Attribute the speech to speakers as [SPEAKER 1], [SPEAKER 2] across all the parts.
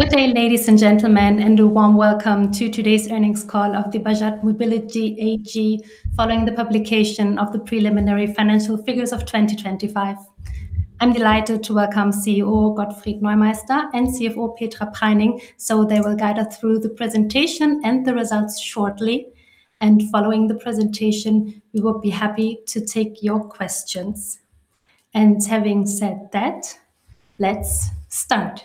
[SPEAKER 1] Good day, ladies and gentlemen, and a warm welcome to today's earnings call of Bajaj Mobility AG following the publication of the preliminary financial figures of 2025. I'm delighted to welcome CEO Gottfried Neumeister and CFO Petra Preining, so they will guide us through the presentation and the results shortly. Having said that, let's start.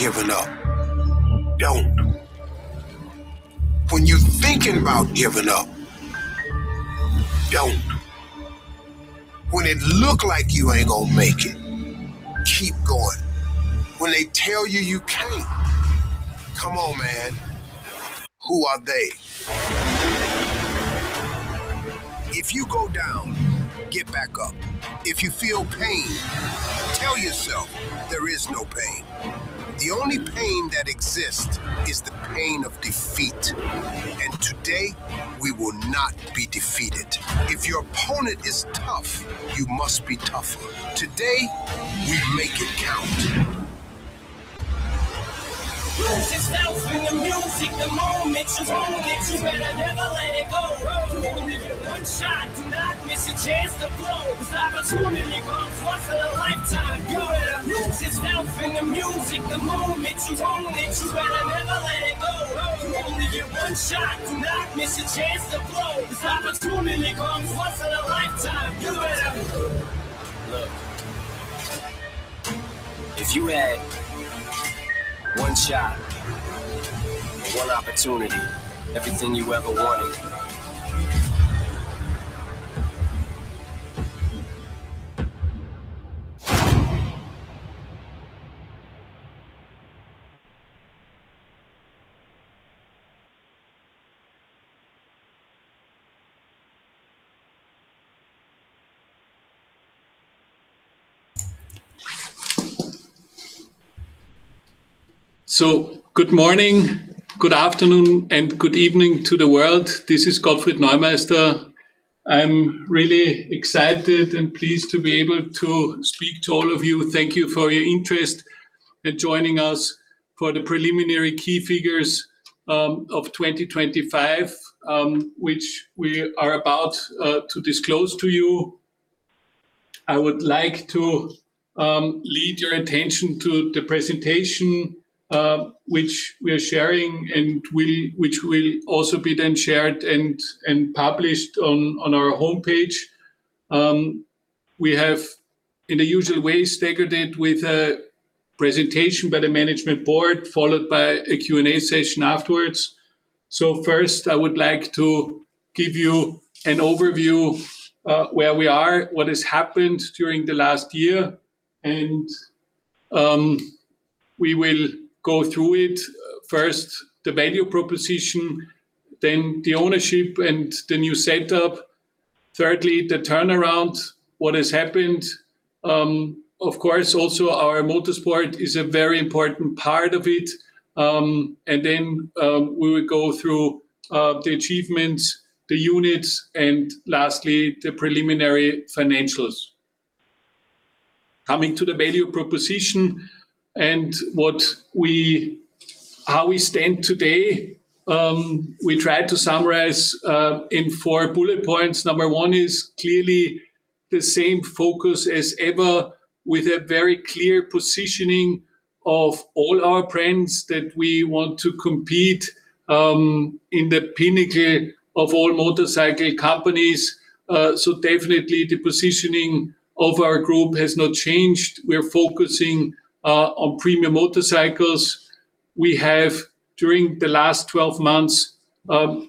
[SPEAKER 2] When you feel like giving up, don't. When you're thinking about giving up, don't. When it looks like you ain't going to make it, keep going. When they tell you you can't, come on, man, who are they? If you go down, get back up. If you feel pain, tell yourself there is no pain. The only pain that exists is the pain of defeat. Today, we will not be defeated. If your opponent is tough, you must be tougher. Today, we make it count. Look, if you had one shot, one opportunity, everything you ever wanted.
[SPEAKER 3] So good morning, good afternoon, and good evening to the world. This is Gottfried Neumeister. I'm really excited and pleased to be able to speak to all of you. Thank you for your interest in joining us for the preliminary key figures of 2025, which we are about to disclose to you. I would like to lead your attention to the presentation, which we are sharing, and which will also be then shared and published on our homepage. We have, in the usual ways, staggered it with a presentation by the management board, followed by a Q&A session afterwards. So first, I would like to give you an overview of where we are, what has happened during the last year, and we will go through it. First, the value proposition, then the ownership and the new setup. Thirdly, the turnaround, what has happened. Of course, also our motorsport is a very important part of it. Then we will go through the achievements, the units, and lastly, the preliminary financials. Coming to the value proposition and how we stand today, we try to summarize in four bullet points. Number one is clearly the same focus as ever, with a very clear positioning of all our brands that we want to compete in the pinnacle of all motorcycle companies. So definitely, the positioning of our group has not changed. We're focusing on premium motorcycles. We have, during the last 12 months,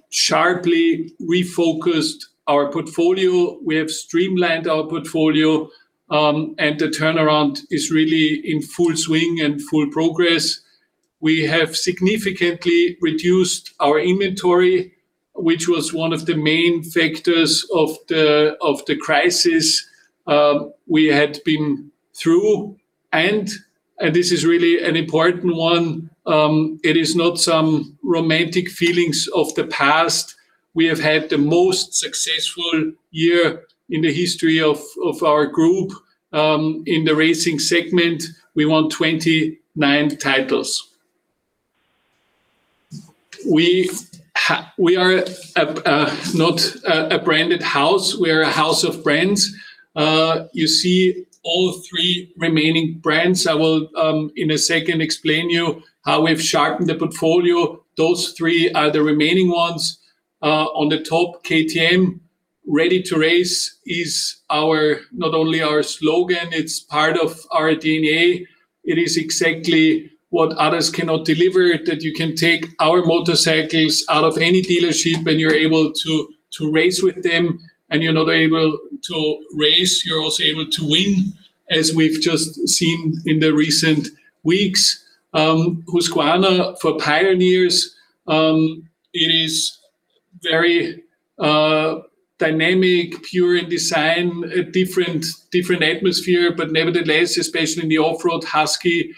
[SPEAKER 3] sharply refocused our portfolio. We have streamlined our portfolio, and the turnaround is really in full swing and full progress. We have significantly reduced our inventory, which was one of the main factors of the crisis we had been through. This is really an important one. It is not some romantic feelings of the past. We have had the most successful year in the history of our group in the racing segment. We won 29 titles. We are not a branded house. We are a house of brands. You see all three remaining brands. I will, in a second, explain to you how we've sharpened the portfolio. Those three are the remaining ones. On the top, KTM Ready to Race is not only our slogan. It's part of our DNA. It is exactly what others cannot deliver, that you can take our motorcycles out of any dealership and you're able to race with them, and you're not able to race, you're also able to win, as we've just seen in the recent weeks. Husqvarna for Pioneers, it is very dynamic, pure in design, a different atmosphere, but nevertheless, especially in the off-road, Husky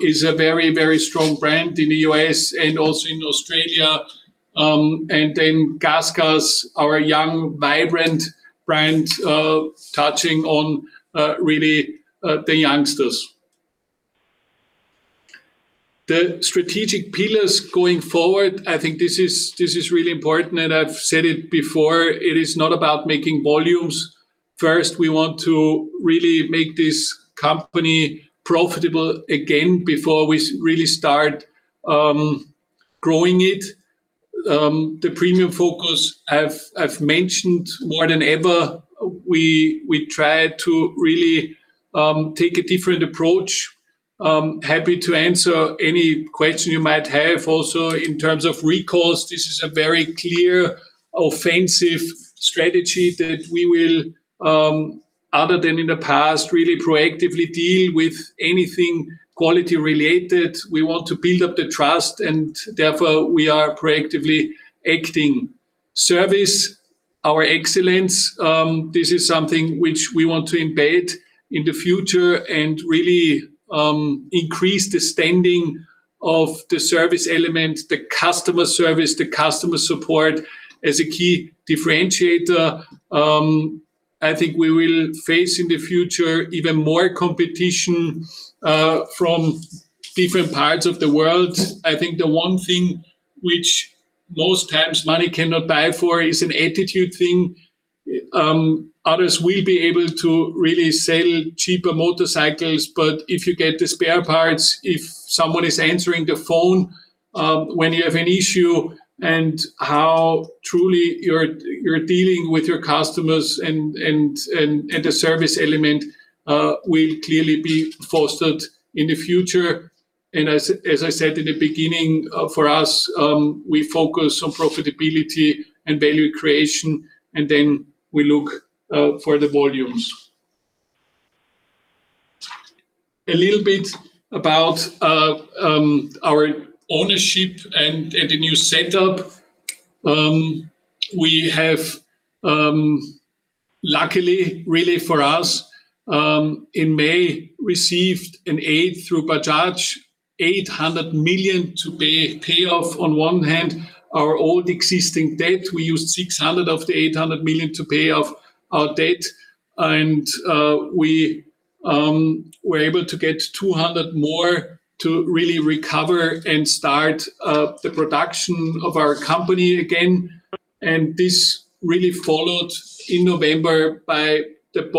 [SPEAKER 3] is a very, very strong brand in the U.S. and also in Australia. And then GASGAS, our young, vibrant brand, touching on really the youngsters. The strategic pillars going forward, I think this is really important, and I've said it before. It is not about making volumes. First, we want to really make this company profitable again before we really start growing it. The premium focus, I've mentioned more than ever, we try to really take a different approach. Happy to answer any question you might have. Also, in terms of recalls, this is a very clear, offensive strategy that we will, other than in the past, really proactively deal with anything quality-related. We want to build up the trust, and therefore we are proactively acting. Service, our excellence, this is something which we want to embed in the future and really increase the standing of the service element, the customer service, the customer support as a key differentiator. I think we will face in the future even more competition from different parts of the world. I think the one thing which most times money cannot buy for is an attitude thing. Others will be able to really sell cheaper motorcycles, but if you get the spare parts, if someone is answering the phone when you have an issue and how truly you're dealing with your customers and the service element will clearly be fostered in the future. As I said in the beginning, for us, we focus on profitability and value creation, and then we look for the volumes. A little bit about our ownership and the new setup. We have, luckily, really for us, in May received an aid through Bajaj, 800 million to pay off on one hand our old existing debt. We used 600 million of the 800 million to pay off our debt, and we were able to get 200 million more to really recover and start the production of our company again. And this really followed in November by the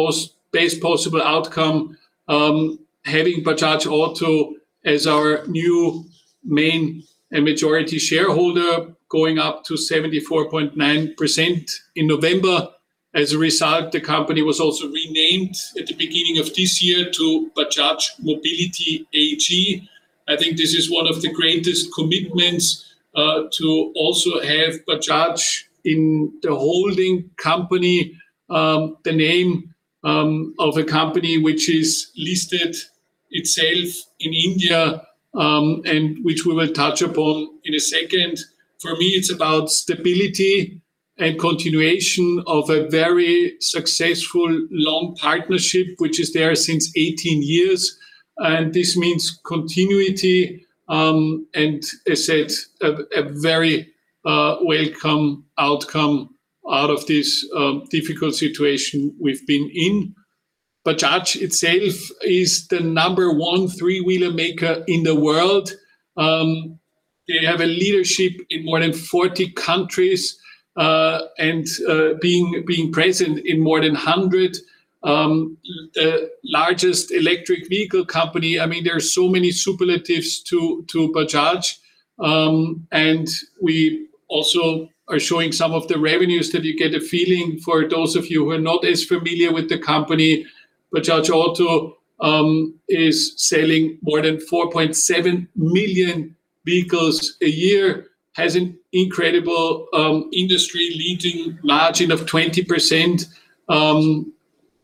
[SPEAKER 3] best possible outcome, having Bajaj Auto as our new main and majority shareholder, going up to 74.9% in November. As a result, the company was also renamed at the beginning of this year to Bajaj Mobility AG. I think this is one of the greatest commitments to also have Bajaj in the holding company, the name of a company which is listed itself in India and which we will touch upon in a second. For me, it's about stability and continuation of a very successful long partnership, which is there since 18 years. This means continuity and, as I said, a very welcome outcome out of this difficult situation we've been in. Bajaj itself is the number one three-wheeler maker in the world. They have a leadership in more than 40 countries and being present in more than 100. The largest electric vehicle company, I mean, there are so many superlatives to Bajaj. We also are showing some of the revenues that you get a feeling for those of you who are not as familiar with the company. Bajaj Auto is selling more than 4.7 million vehicles a year, has an incredible industry leading margin of 20%.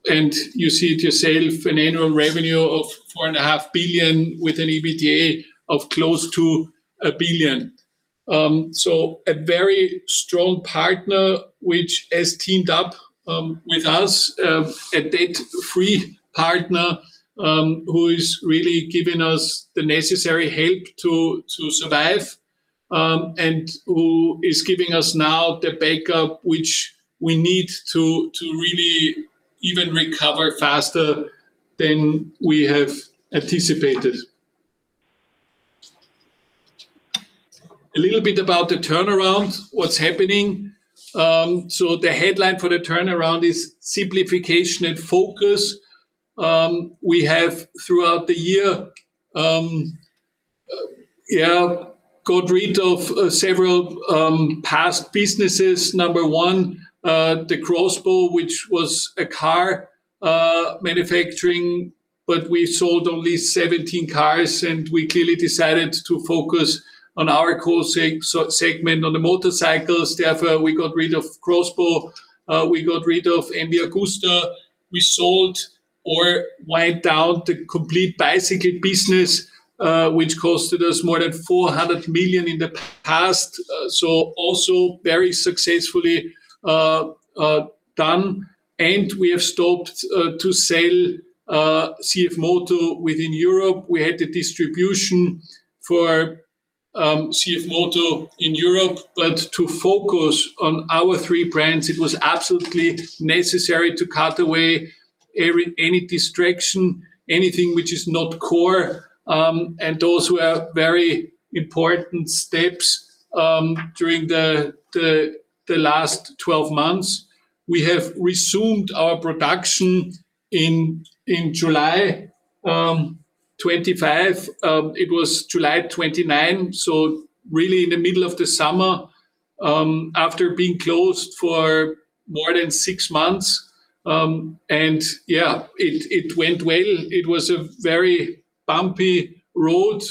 [SPEAKER 3] You see it yourself, an annual revenue of 4.5 billion with an EBITDA of close to 1 billion. So a very strong partner which has teamed up with us, a debt-free partner who is really giving us the necessary help to survive and who is giving us now the backup which we need to really even recover faster than we have anticipated. A little bit about the turnaround, what's happening. So the headline for the turnaround is simplification and focus. We have throughout the year, yeah, got rid of several past businesses. Number one, the X-BOW, which was a car manufacturing, but we sold only 17 cars, and we clearly decided to focus on our core segment on the motorcycles. Therefore, we got rid of X-BOW. We got rid of MV Agusta. We sold or went down the complete bicycle business, which costed us more than 400 million in the past. So also very successfully done. And we have stopped to sell CFMOTO within Europe. We had the distribution for CFMOTO in Europe, but to focus on our three brands, it was absolutely necessary to cut away any distraction, anything which is not core. And those were very important steps during the last 12 months. We have resumed our production in July 25. It was July 29, so really in the middle of the summer after being closed for more than six months. And yeah, it went well. It was a very bumpy road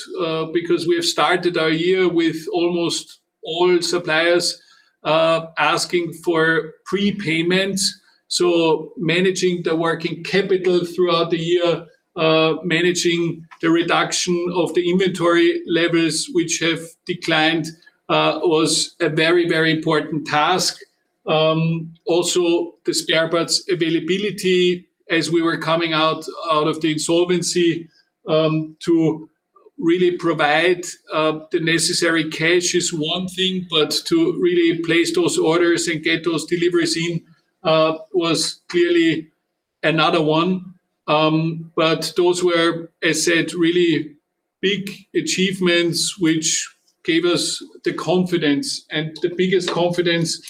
[SPEAKER 3] because we have started our year with almost all suppliers asking for prepayments. So managing the working capital throughout the year, managing the reduction of the inventory levels, which have declined, was a very, very important task. Also, the spare parts availability as we were coming out of the insolvency to really provide the necessary cash is one thing, but to really place those orders and get those deliveries in was clearly another one. But those were, as I said, really big achievements which gave us the confidence. And the biggest confidence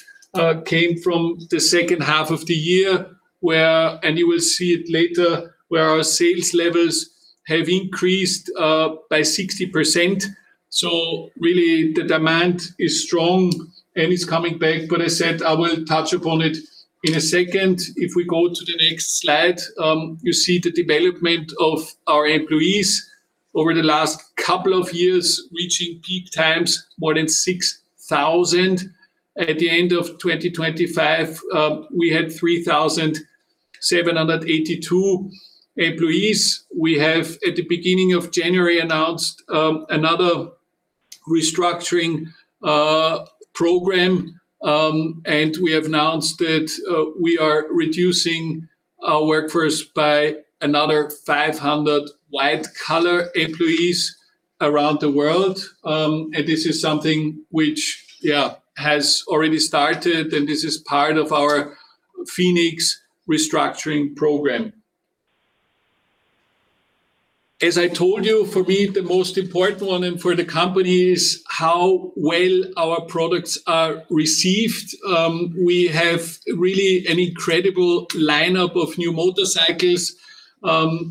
[SPEAKER 3] came from the second half of the year where, and you will see it later, where our sales levels have increased by 60%. So really the demand is strong and it's coming back. But as I said, I will touch upon it in a second. If we go to the next slide, you see the development of our employees over the last couple of years reaching peak times more than 6,000. At the end of 2025, we had 3,782 employees. We have, at the beginning of January, announced another restructuring program, and we have announced that we are reducing our workforce by another 500 white-collar employees around the world. This is something which, yeah, has already started, and this is part of our Phoenix restructuring program. As I told you, for me, the most important one and for the company is how well our products are received. We have really an incredible lineup of new motorcycles,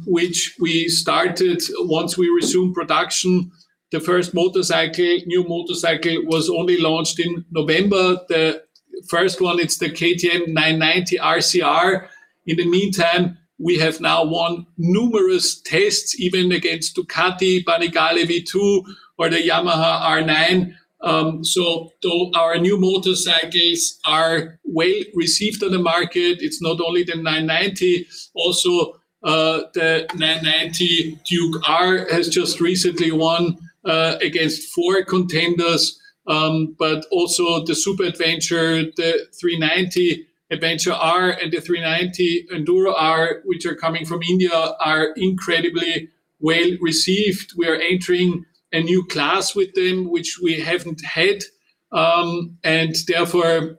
[SPEAKER 3] which we started once we resumed production. The first motorcycle, new motorcycle, was only launched in November. The first one, it's the KTM 990 RC R. In the meantime, we have now won numerous tests, even against Ducati Panigale V2, or the Yamaha R9. So our new motorcycles are well received on the market. It's not only the 990. Also, the 990 Duke R has just recently won against four contenders, but also the Super Adventure, the 390 Adventure R, and the 390 Enduro R, which are coming from India, are incredibly well received. We are entering a new class with them, which we haven't had. And therefore,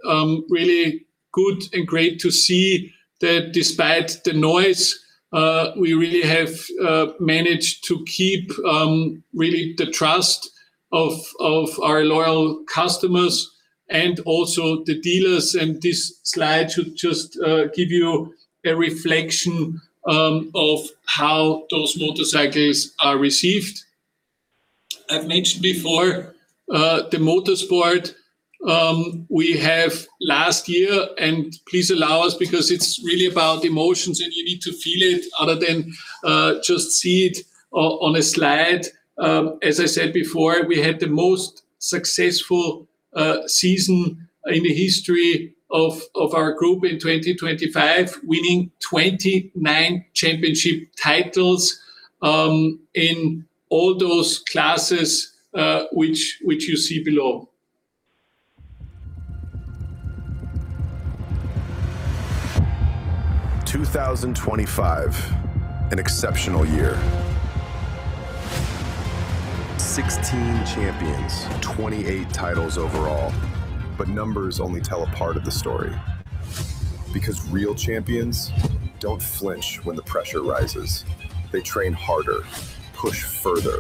[SPEAKER 3] really good and great to see that despite the noise, we really have managed to keep really the trust of our loyal customers and also the dealers. And this slide should just give you a reflection of how those motorcycles are received. I've mentioned before the motorsport we have last year, and please allow us because it's really about emotions, and you need to feel it other than just see it on a slide. As I said before, we had the most successful season in the history of our group in 2025, winning 29 championship titles in all those classes which you see below.
[SPEAKER 4] 2025, an exceptional year. 16 champions, 28 titles overall. But numbers only tell a part of the story. Because real champions don't flinch when the pressure rises. They train harder, push further,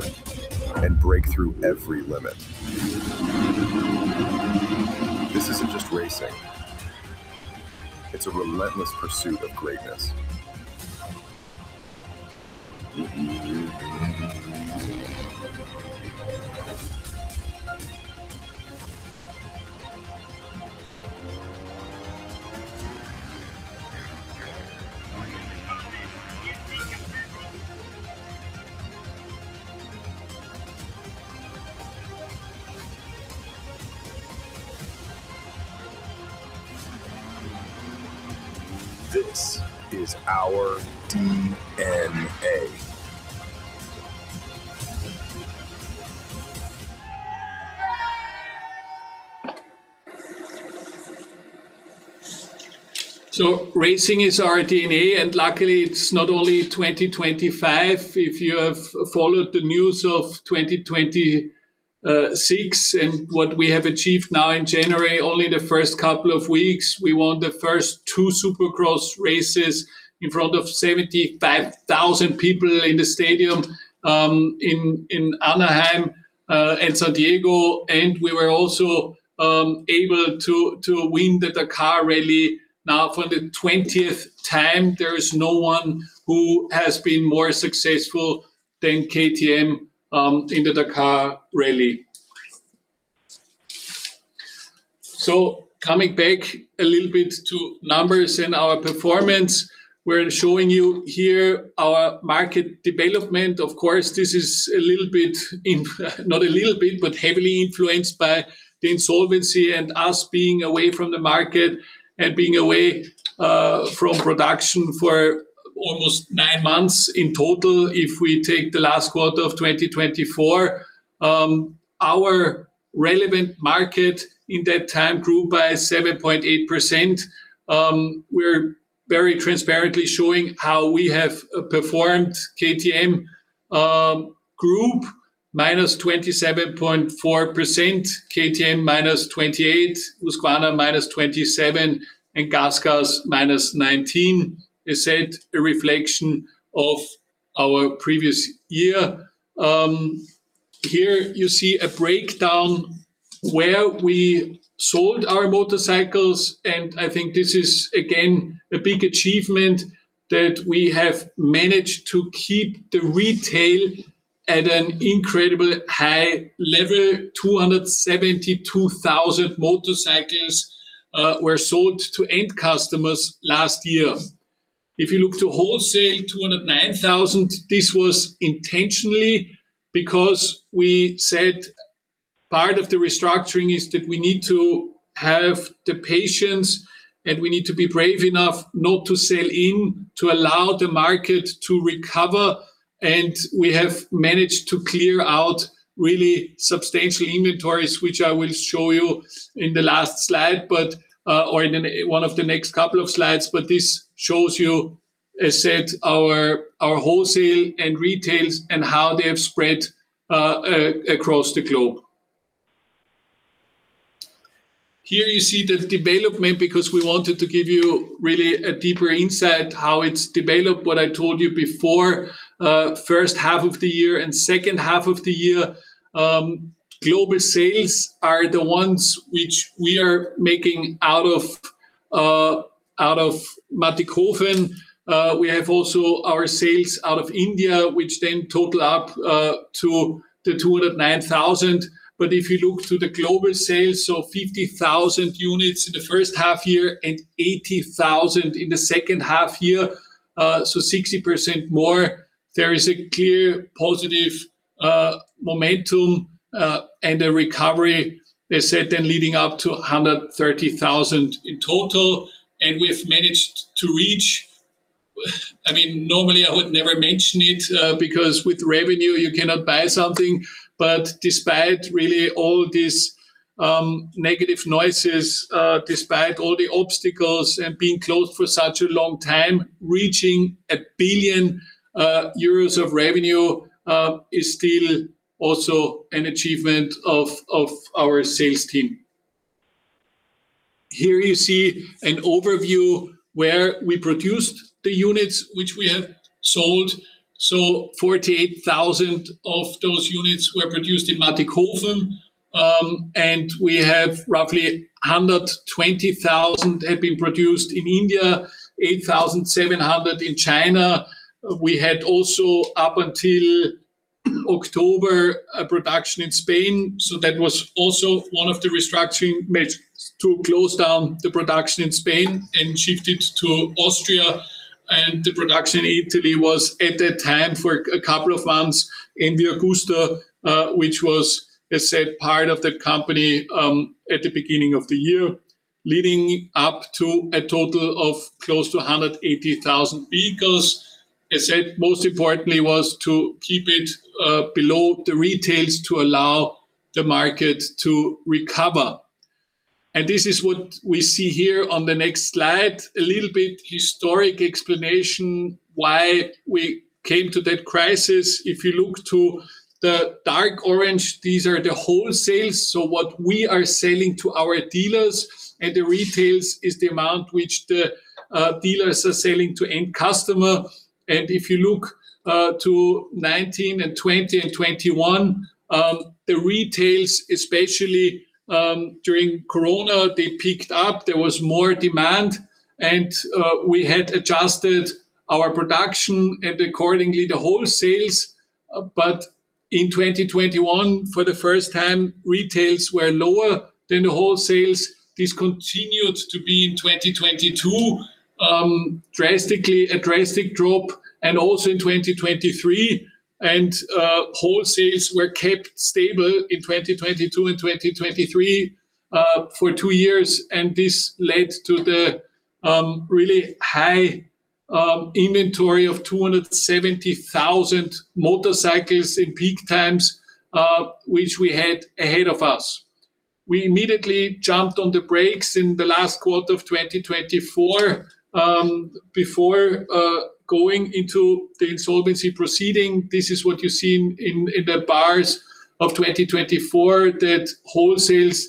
[SPEAKER 4] and break through every limit. This isn't just racing. It's a relentless pursuit of greatness. This is our DNA.
[SPEAKER 3] Racing is our DNA, and luckily it's not only 2025. If you have followed the news of 2026 and what we have achieved now in January, only the first couple of weeks, we won the first two Supercross races in front of 75,000 people in the stadium in Anaheim and San Diego. We were also able to win the Dakar Rally now for the 20th time. There is no one who has been more successful than KTM in the Dakar Rally. So coming back a little bit to numbers and our performance, we're showing you here our market development. Of course, this is a little bit, not a little bit, but heavily influenced by the insolvency and us being away from the market and being away from production for almost nine months in total. If we take the last quarter of 2024, our relevant market in that time grew by 7.8%. We're very transparently showing how we have performed. KTM group, -27.4%. KTM -28%, Husqvarna -27%, and GASGAS -19%. As I said, a reflection of our previous year. Here you see a breakdown where we sold our motorcycles. And I think this is, again, a big achievement that we have managed to keep the retail at an incredible high level. 272,000 motorcycles were sold to end customers last year. If you look to wholesale, 209,000, this was intentionally because we said part of the restructuring is that we need to have the patience and we need to be brave enough not to sell in to allow the market to recover. We have managed to clear out really substantial inventories, which I will show you in the last slide or in one of the next couple of slides. This shows you, as I said, our wholesale and retails and how they have spread across the globe. Here you see the development because we wanted to give you really a deeper insight how it's developed, what I told you before, first half of the year and second half of the year. Global sales are the ones which we are making out of Mattighofen. We have also our sales out of India, which then total up to the 209,000. But if you look to the global sales, so 50,000 units in the first half year and 80,000 in the second half year, so 60% more, there is a clear positive momentum and a recovery, as I said, then leading up to 130,000 in total. And we've managed to reach, I mean, normally I would never mention it because with revenue, you cannot buy something. But despite really all these negative noises, despite all the obstacles and being closed for such a long time, reaching 1 billion euros of revenue is still also an achievement of our sales team. Here you see an overview where we produced the units which we have sold. So 48,000 of those units were produced in Mattighofen, and we have roughly 120,000 that have been produced in India, 8,700 in China. We had also up until October a production in Spain. So that was also one of the restructuring measures to close down the production in Spain and shift it to Austria. And the production in Italy was at that time for a couple of months in the MV Agusta, which was, as I said, part of the company at the beginning of the year, leading up to a total of close to 180,000 vehicles. As I said, most importantly was to keep it below the retails to allow the market to recover. And this is what we see here on the next slide, a little bit historic explanation why we came to that crisis. If you look to the dark orange, these are the wholesales. So what we are selling to our dealers and the retails is the amount which the dealers are selling to end customers. And if you look to 2019 and 2020 and 2021, the retails, especially during Corona, they picked up. There was more demand, and we had adjusted our production and accordingly the wholesales. But in 2021, for the first time, retails were lower than the wholesales. This continued to be in 2022, a drastic drop, and also in 2023. And wholesales were kept stable in 2022 and 2023 for two years. And this led to the really high inventory of 270,000 motorcycles in peak times, which we had ahead of us. We immediately jumped on the brakes in the last quarter of 2024. Before going into the insolvency proceeding, this is what you see in the bars of 2024, that wholesales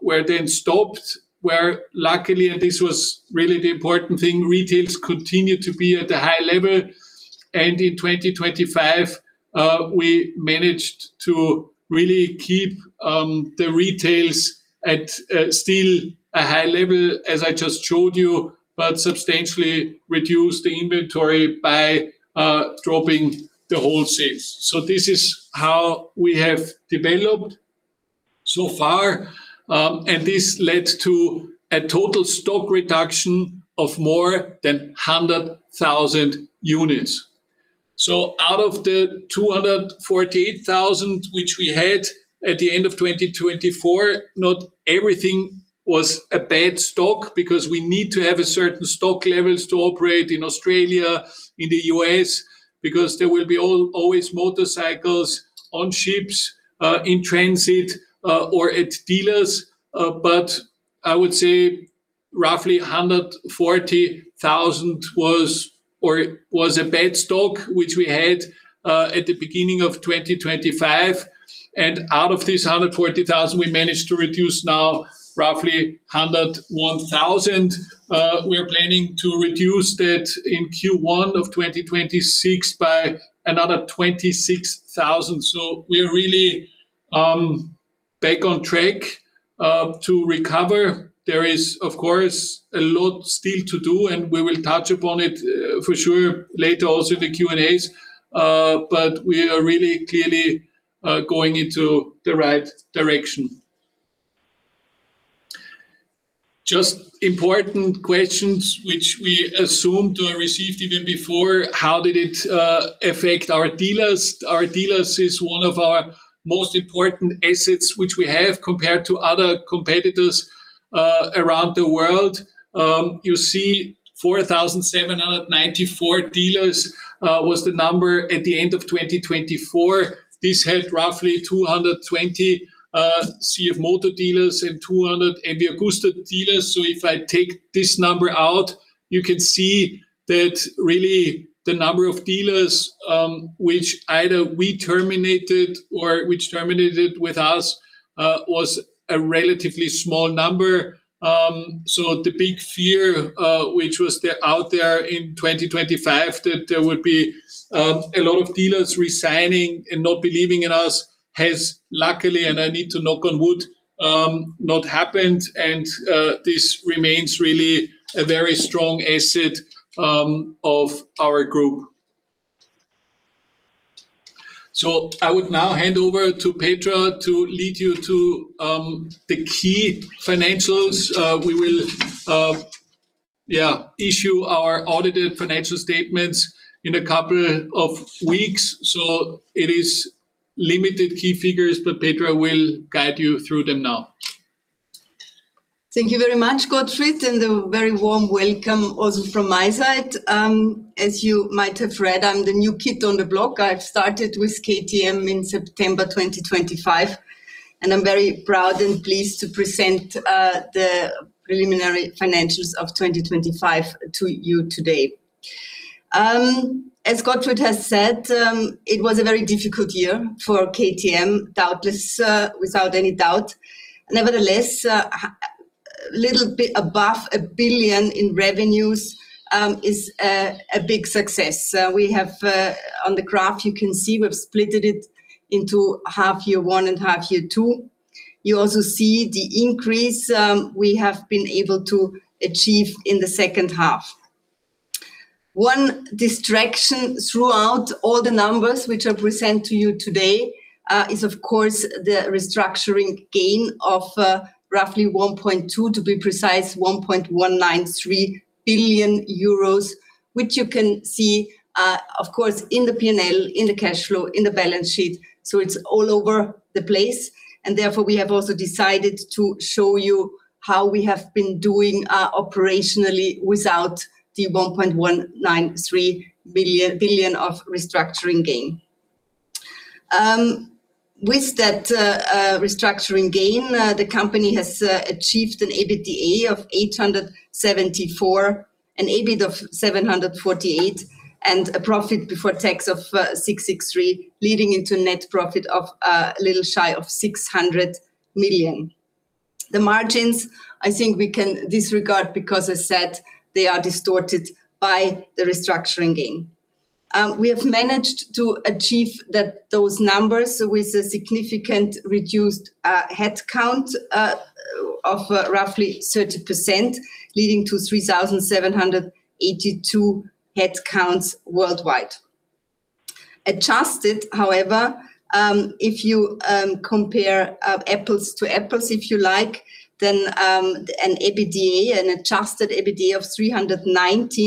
[SPEAKER 3] were then stopped, where luckily, and this was really the important thing, retails continued to be at a high level. In 2025, we managed to really keep the retails at still a high level, as I just showed you, but substantially reduced the inventory by dropping the wholesales. This is how we have developed so far. This led to a total stock reduction of more than 100,000 units. Out of the 248,000 which we had at the end of 2024, not everything was a bad stock because we need to have a certain stock levels to operate in Australia, in the U.S., because there will be always motorcycles on ships in transit or at dealers. But I would say roughly 140,000 was a bad stock which we had at the beginning of 2025. And out of this 140,000, we managed to reduce now roughly 101,000. We are planning to reduce that in Q1 of 2026 by another 26,000. So we are really back on track to recover. There is, of course, a lot still to do, and we will touch upon it for sure later also in the Q&As. But we are really clearly going into the right direction. Just important questions which we assume to have received even before, how did it affect our dealers? Our dealers is one of our most important assets which we have compared to other competitors around the world. You see 4,794 dealers was the number at the end of 2024. This had roughly 220 CFMOTO dealers and 200 MV Agusta dealers. So if I take this number out, you can see that really the number of dealers which either we terminated or which terminated with us was a relatively small number. So the big fear which was out there in 2025 that there would be a lot of dealers resigning and not believing in us has luckily, and I need to knock on wood, not happened. And this remains really a very strong asset of our group. So I would now hand over to Petra to lead you to the key financials. We will, yeah, issue our audited financial statements in a couple of weeks. So it is limited key figures, but Petra will guide you through them now.
[SPEAKER 5] Thank you very much, Gottfried, and a very warm welcome also from my side. As you might have read, I'm the new kid on the block. I've started with KTM in September 2025, and I'm very proud and pleased to present the preliminary financials of 2025 to you today. As Gottfried has said, it was a very difficult year for KTM, without any doubt. Nevertheless, a little bit above 1 billion in revenues is a big success. On the graph, you can see we've split it into half year one and half year two. You also see the increase we have been able to achieve in the second half. One distraction throughout all the numbers which I present to you today is, of course, the restructuring gain of roughly 1.2 billion, to be precise, 1.193 billion euros, which you can see, of course, in the P&L, in the cash flow, in the balance sheet. So it's all over the place. Therefore, we have also decided to show you how we have been doing operationally without the 1.193 billion of restructuring gain. With that restructuring gain, the company has achieved an EBITDA of 874 million, an EBIT of 748 million, and a profit before tax of 663 million, leading into net profit of a little shy of 600 million. The margins, I think we can disregard because, as I said, they are distorted by the restructuring gain. We have managed to achieve those numbers with a significant reduced headcount of roughly 30%, leading to 3,782 headcounts worldwide. Adjusted, however, if you compare apples to apples, if you like, then an EBITDA, an adjusted EBITDA of 319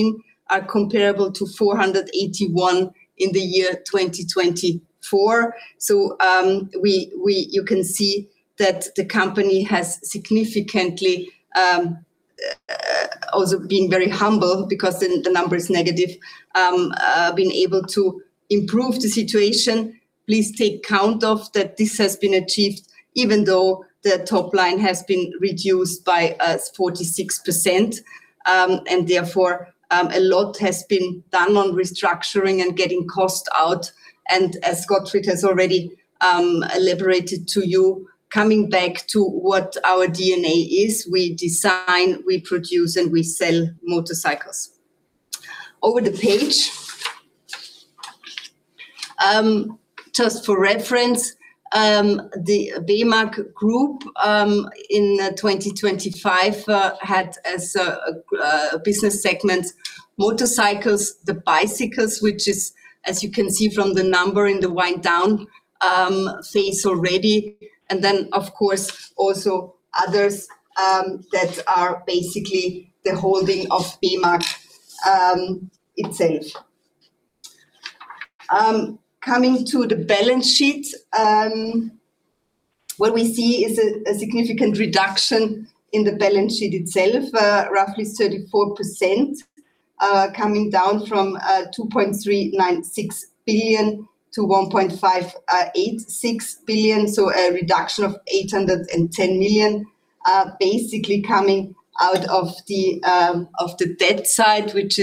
[SPEAKER 5] million, are comparable to 481 million in the year 2024. So you can see that the company has significantly also been very humble because the number is negative, been able to improve the situation. Please take account of that this has been achieved even though the top line has been reduced by 46%. Therefore, a lot has been done on restructuring and getting cost out. As Gottfried has already elaborated to you, coming back to what our DNA is, we design, we produce, and we sell motorcycles. Over the page, just for reference, the Pierer Group in 2025 had as a business segment motorcycles, the bicycles, which is, as you can see from the number in the wind-down phase already. Then, of course, also others that are basically the holding of Pierer itself. Coming to the balance sheet, what we see is a significant reduction in the balance sheet itself, roughly 34%, coming down from 2.396 billion to 1.586 billion. So a reduction of 810 million, basically coming out of the debt side, which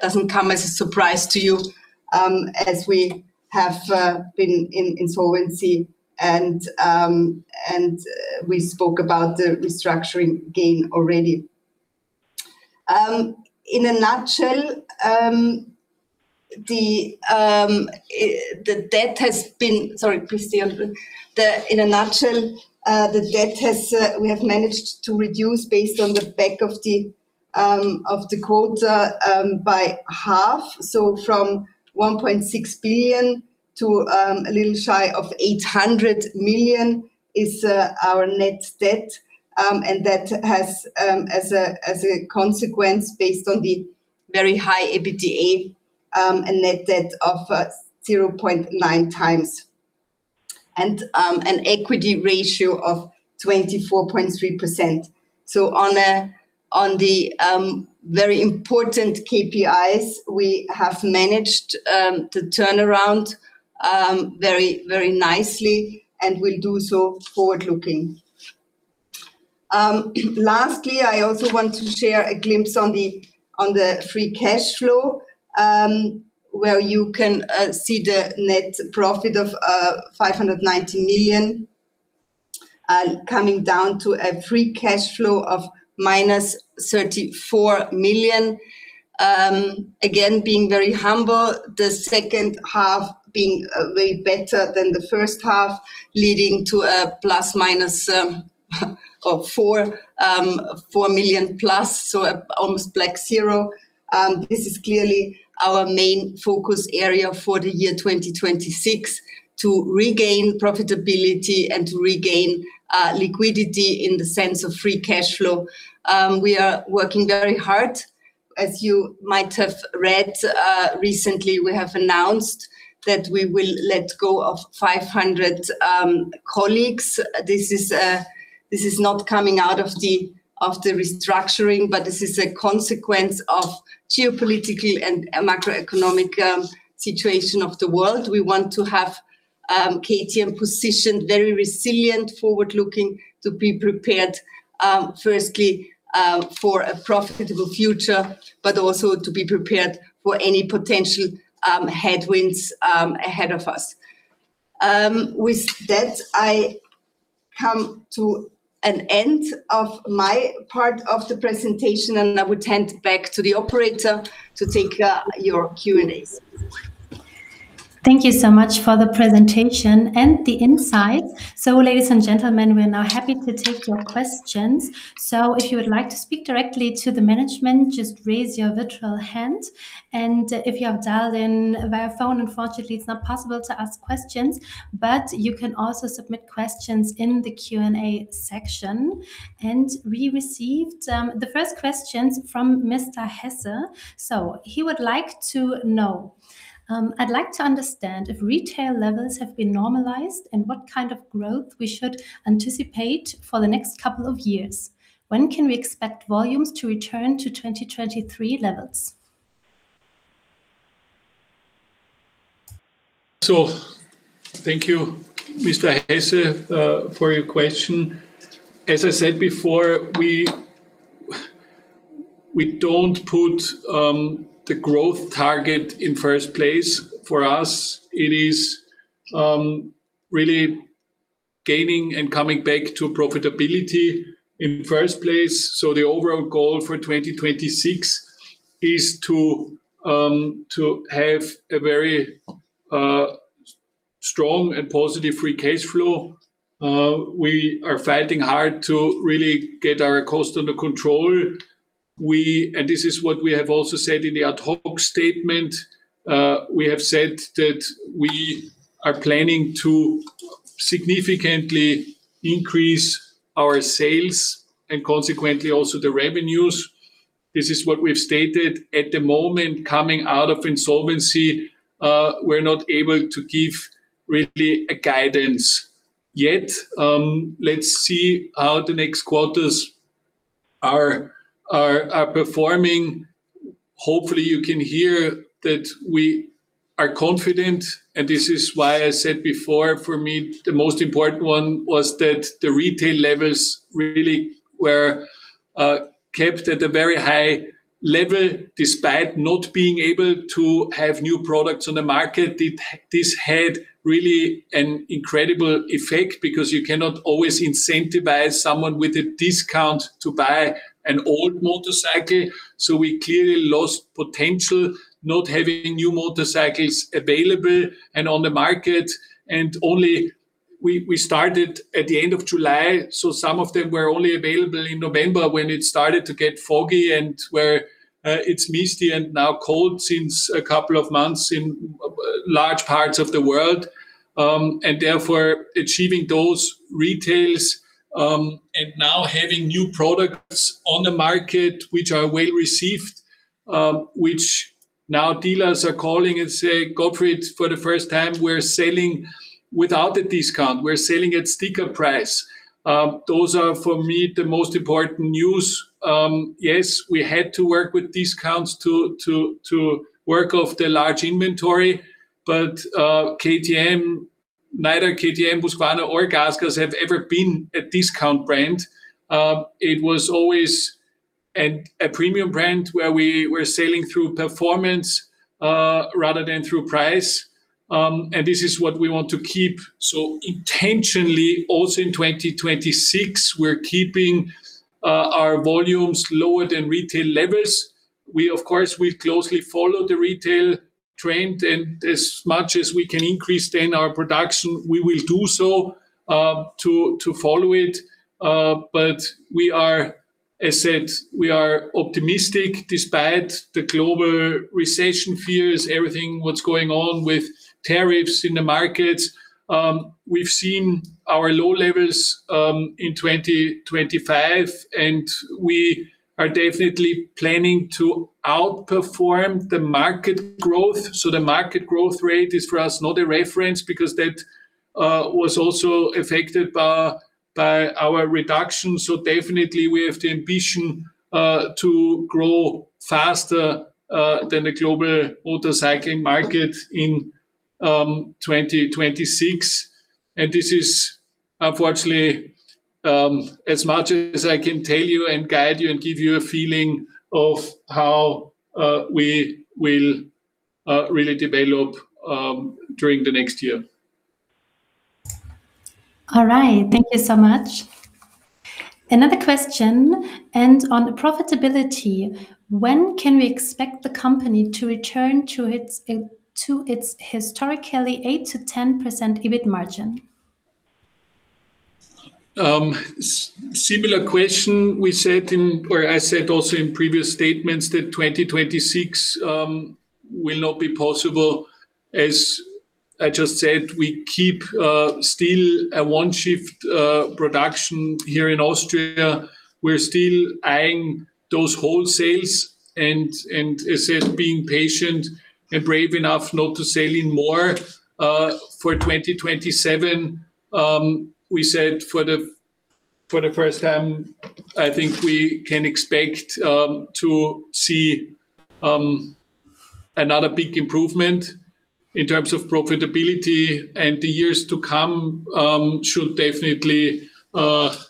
[SPEAKER 5] doesn't come as a surprise to you as we have been in insolvency. We spoke about the restructuring gain already. In a nutshell, the debt has been, sorry, Christine, in a nutshell, the debt we have managed to reduce based on the back of the quote by half. So from 1.6 billion to a little shy of 800 million is our net debt. That has as a consequence, based on the very high EBITDA, a net debt of 0.9x and an equity ratio of 24.3%. So on the very important KPIs, we have managed the turnaround very, very nicely and will do so forward-looking. Lastly, I also want to share a glimpse on the free cash flow, where you can see the net profit of 590 million coming down to a free cash flow of -34 million. Again, being very humble, the second half being way better than the first half, leading to a ±4 million +, so almost black zero. This is clearly our main focus area for the year 2026 to regain profitability and to regain liquidity in the sense of free cash flow. We are working very hard. As you might have read recently, we have announced that we will let go of 500 colleagues. This is not coming out of the restructuring, but this is a consequence of geopolitical and macroeconomic situation of the world. We want to have KTM positioned very resilient, forward-looking to be prepared, firstly, for a profitable future, but also to be prepared for any potential headwinds ahead of us. With that, I come to an end of my part of the presentation, and I would hand back to the operator to take your Q&As.
[SPEAKER 1] Thank you so much for the presentation and the insights. So, ladies and gentlemen, we're now happy to take your questions. So if you would like to speak directly to the management, just raise your virtual hand. And if you have dialed in via phone, unfortunately, it's not possible to ask questions, but you can also submit questions in the Q&A section. And we received the first question from Mr. Hesse. So he would like to know, "I'd like to understand if retail levels have been normalized and what kind of growth we should anticipate for the next couple of years. When can we expect volumes to return to 2023 levels?"
[SPEAKER 3] So thank you, Mr. Hesse, for your question. As I said before, we don't put the growth target in first place. For us, it is really gaining and coming back to profitability in first place. So the overall goal for 2026 is to have a very strong and positive free cash flow. We are fighting hard to really get our cost under control. And this is what we have also said in the ad hoc statement. We have said that we are planning to significantly increase our sales and consequently also the revenues. This is what we've stated. At the moment, coming out of insolvency, we're not able to give really a guidance yet. Let's see how the next quarters are performing. Hopefully, you can hear that we are confident. This is why I said before, for me, the most important one was that the retail levels really were kept at a very high level despite not being able to have new products on the market. This had really an incredible effect because you cannot always incentivize someone with a discount to buy an old motorcycle. We clearly lost potential not having new motorcycles available and on the market. We started at the end of July, so some of them were only available in November when it started to get foggy and where it's misty and now cold since a couple of months in large parts of the world. Therefore, achieving those retails and now having new products on the market, which are well received, which now dealers are calling and say, "Gottfried, for the first time, we're selling without a discount. We're selling at sticker price." Those are, for me, the most important news. Yes, we had to work with discounts to work off the large inventory, but neither KTM, Husqvarna, or GASGAS have ever been a discount brand. It was always a premium brand where we were selling through performance rather than through price. This is what we want to keep. Intentionally, also in 2026, we're keeping our volumes lower than retail levels. We, of course, will closely follow the retail trend, and as much as we can increase then our production, we will do so to follow it. But we are, as I said, we are optimistic despite the global recession fears, everything what's going on with tariffs in the markets. We've seen our low levels in 2025, and we are definitely planning to outperform the market growth. So the market growth rate is, for us, not a reference because that was also affected by our reduction. So definitely, we have the ambition to grow faster than the global motorcycling market in 2026. And this is, unfortunately, as much as I can tell you and guide you and give you a feeling of how we will really develop during the next year.
[SPEAKER 1] All right. Thank you so much. Another question. And on profitability, when can we expect the company to return to its historically 8%-10% EBIT margin?
[SPEAKER 3] Similar question we said in, or I said also in previous statements that 2026 will not be possible. As I just said, we keep still a one-shift production here in Austria. We're still eyeing those wholesales and, as I said, being patient and brave enough not to sell in more for 2027. We said for the first time, I think we can expect to see another big improvement in terms of profitability. And the years to come should definitely have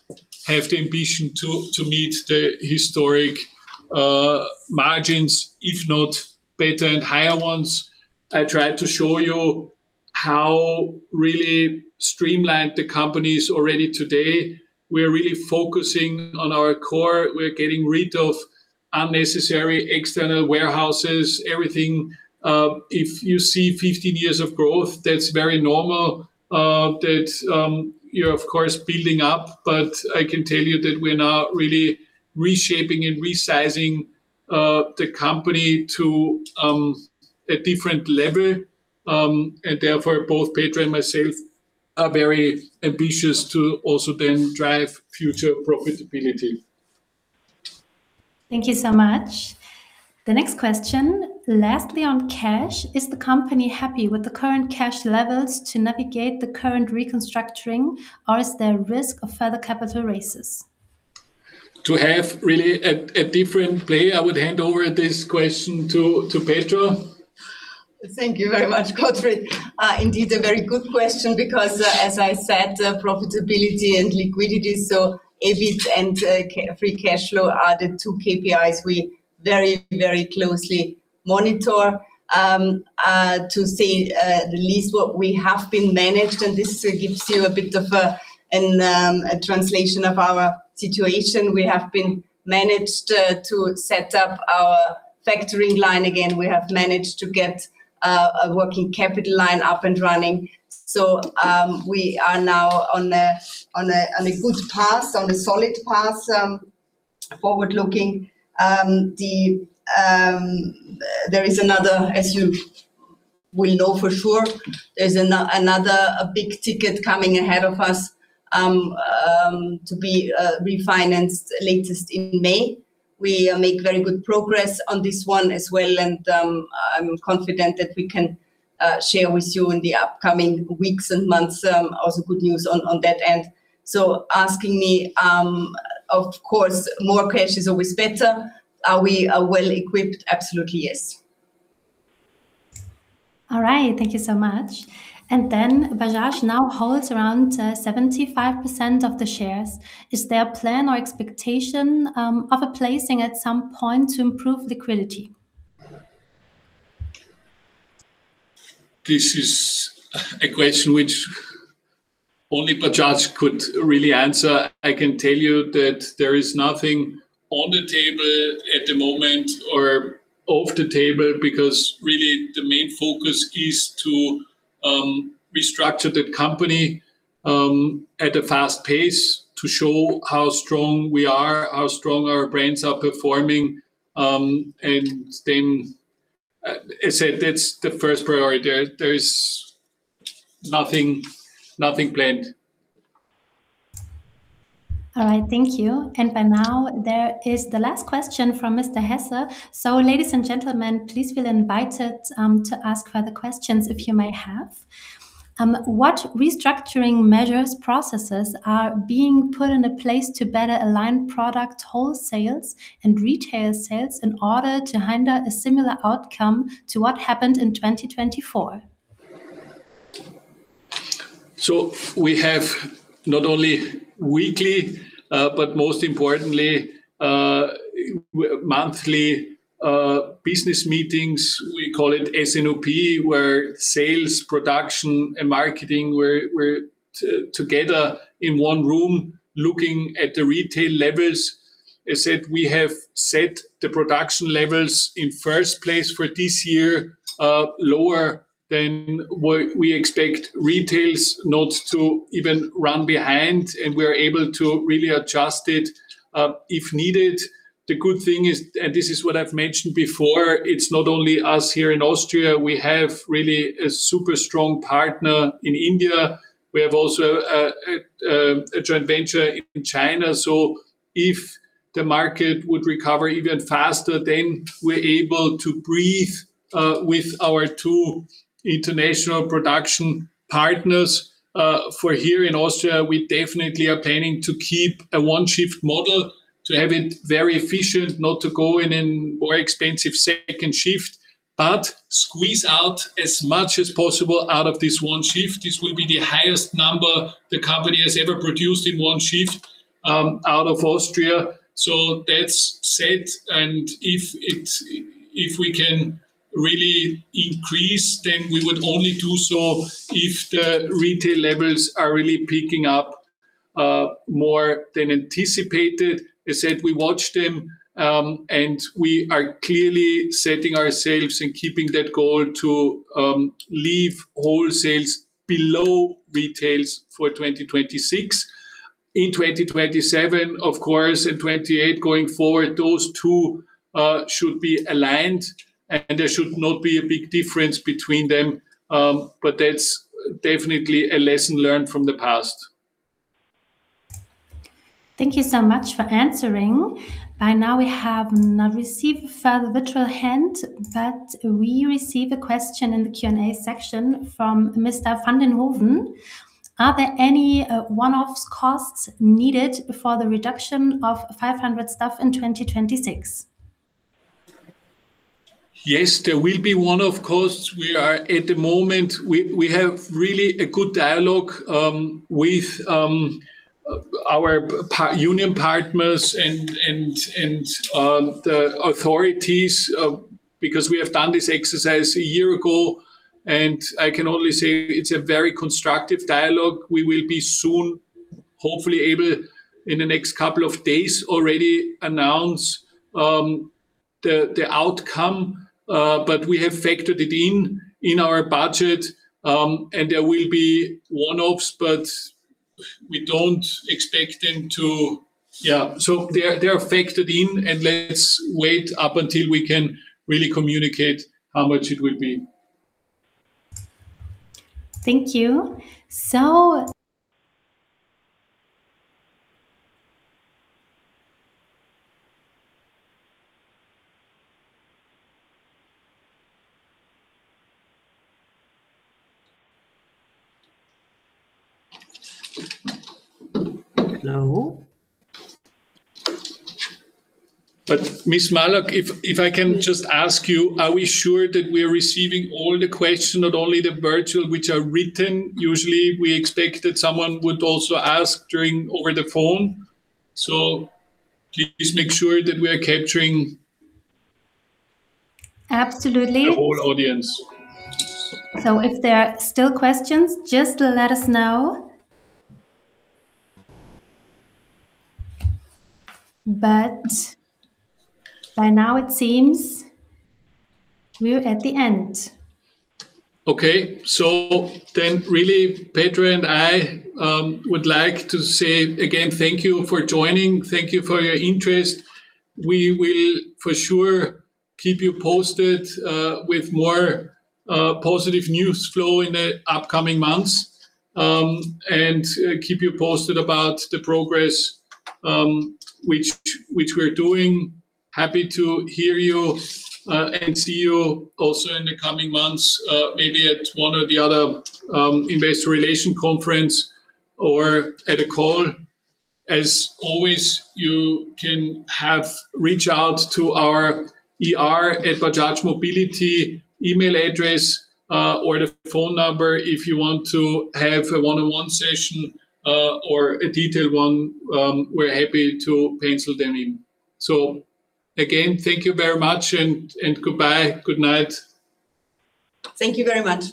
[SPEAKER 3] the ambition to meet the historic margins, if not better and higher ones. I tried to show you how really streamlined the company is already today. We're really focusing on our core. We're getting rid of unnecessary external warehouses, everything. If you see 15 years of growth, that's very normal that you're, of course, building up. But I can tell you that we're now really reshaping and resizing the company to a different level. Therefore, both Petra and myself are very ambitious to also then drive future profitability.
[SPEAKER 1] Thank you so much. The next question. Lastly, on cash, is the company happy with the current cash levels to navigate the current reconstruction, or is there a risk of further capital raises?
[SPEAKER 3] To have really a different play, I would hand over this question to Petra.
[SPEAKER 5] Thank you very much, Gottfried. Indeed, a very good question because, as I said, profitability and liquidity, so EBIT and free cash flow are the two KPIs we very, very closely monitor to see at least what we have been managed. This gives you a bit of a translation of our situation. We have been managed to set up our factoring line. Again, we have managed to get a working capital line up and running. So we are now on a good path, on a solid path, forward-looking. There is another, as you will know for sure, there's another big ticket coming ahead of us to be refinanced latest in May. We make very good progress on this one as well. And I'm confident that we can share with you in the upcoming weeks and months also good news on that end. So asking me, of course, more cash is always better. Are we well equipped? Absolutely, yes.
[SPEAKER 1] All right. Thank you so much. And then Bajaj now holds around 75% of the shares. Is there a plan or expectation of a placing at some point to improve liquidity?
[SPEAKER 3] This is a question which only Bajaj could really answer. I can tell you that there is nothing on the table at the moment or off the table because really the main focus is to restructure the company at a fast pace to show how strong we are, how strong our brands are performing. And then, as I said, that's the first priority. There is nothing planned.
[SPEAKER 1] All right. Thank you. And by now, there is the last question from Mr. Hesse. So, ladies and gentlemen, please feel invited to ask further questions if you may have. What restructuring measures processes are being put in place to better align product wholesales and retail sales in order to hinder a similar outcome to what happened in 2024?
[SPEAKER 3] So we have not only weekly, but most importantly, monthly business meetings. We call it S&OP, where sales, production, and marketing were together in one room looking at the retail levels. As I said, we have set the production levels in first place for this year lower than we expect retails not to even run behind, and we are able to really adjust it if needed. The good thing is, and this is what I've mentioned before, it's not only us here in Austria. We have really a super strong partner in India. We have also a joint venture in China. So if the market would recover even faster, then we're able to breathe with our two international production partners. For here in Austria, we definitely are planning to keep a one-shift model to have it very efficient, not to go in a more expensive second shift, but squeeze out as much as possible out of this one shift. This will be the highest number the company has ever produced in one shift out of Austria. So that's set. And if we can really increase, then we would only do so if the retail levels are really picking up more than anticipated. As I said, we watched them, and we are clearly setting ourselves and keeping that goal to leave wholesales below retails for 2026. In 2027, of course, and 2028 going forward, those two should be aligned, and there should not be a big difference between them. But that's definitely a lesson learned from the past.
[SPEAKER 1] Thank you so much for answering. By now, we have not received further virtual hand, but we receive a question in the Q&A section from Mr. van den Hoeven. Are there any one-off costs needed for the reduction of 500 staff in 2026?
[SPEAKER 3] Yes, there will be one-off costs. At the moment, we have really a good dialogue with our union partners and the authorities because we have done this exercise a year ago. I can only say it's a very constructive dialogue. We will be soon, hopefully, able in the next couple of days already to announce the outcome, but we have factored it in our budget. There will be one-offs, but we don't expect them to. Yeah. So they are factored in, and let's wait up until we can really communicate how much it will be.
[SPEAKER 1] Thank you. So.
[SPEAKER 3] Hello. Ms. Malloch, if I can just ask you, are we sure that we are receiving all the questions, not only the virtual, which are written? Usually, we expect that someone would also ask over the phone. So please make sure that we are capturing. Absolutely. The whole audience.
[SPEAKER 1] If there are still questions, just let us know. But by now, it seems we're at the end.
[SPEAKER 3] Okay. Then really, Petra and I would like to say again, thank you for joining. Thank you for your interest. We will for sure keep you posted with more positive news flow in the upcoming months and keep you posted about the progress which we're doing. Happy to hear you and see you also in the coming months, maybe at one or the other investor relations conference or at a call. As always, you can reach out to our IR at Bajaj Mobility email address or the phone number if you want to have a one-on-one session or a detailed one. We're happy to pencil them in. Again, thank you very much and goodbye. Good night.
[SPEAKER 5] Thank you very much.